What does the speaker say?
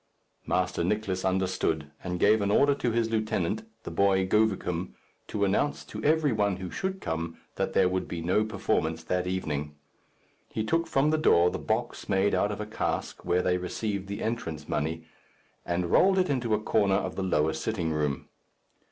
Master Nicless understood, and gave an order to his lieutenant, the boy Govicum, to announce to every one who should come that there would be no performance that evening. He took from the door the box made out of a cask, where they received the entrance money, and rolled it into a corner of the lower sitting room.